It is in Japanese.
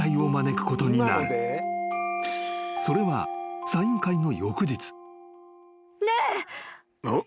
［それはサイン会の］